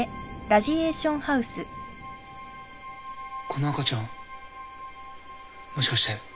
この赤ちゃんもしかして。